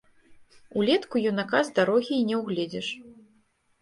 Улетку юнака з дарогі і не ўгледзіш.